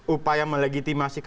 upaya melegitimasi kpk